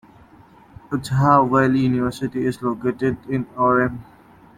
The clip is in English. Utah Valley University is located in Orem.